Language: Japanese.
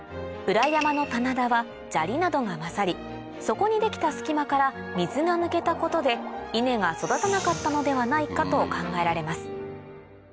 裏山の棚田は砂利などが交ざりそこに出来た隙間から水が抜けたことで稲が育たなかったのではないかと考えられます